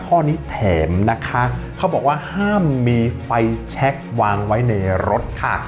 ข้อนี้แถมนะคะเขาบอกว่าห้ามมีไฟแชควางไว้ในรถค่ะ